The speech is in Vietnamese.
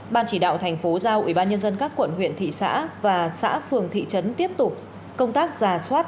ban chỉ đạo thành phố giao ủy ban nhân dân các quận huyện thị xã và xã phường thị trấn tiếp tục công tác giả soát